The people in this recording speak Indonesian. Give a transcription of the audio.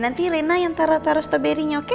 nanti rena yang taruh taruh strawberry nya oke